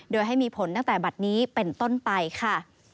โดยให้มีผลตั้งแต่บัตรนี้เป็นต้นไปค่ะ